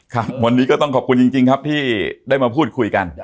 ครับวันนี้ก็ต้องขอบคุณจริงครับที่ได้มาพูดคุยกัน